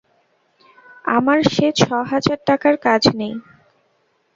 আমার সে ছ-হাজার টাকায় কাজ নেই।